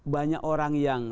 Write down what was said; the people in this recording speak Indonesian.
banyak orang yang